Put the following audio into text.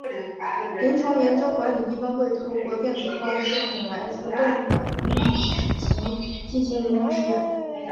临床研究管理一般会透过电子化系统来自动管理及进行临床试验。